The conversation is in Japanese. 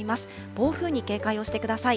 暴風に警戒をしてください。